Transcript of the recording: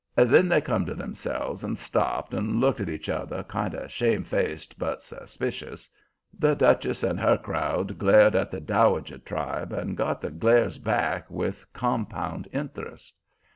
Then they come to themselves and stopped and looked at each other, kind of shamefaced but suspicious. The Duchess and her crowd glared at the Dowager tribe and got the glares back with compound interest.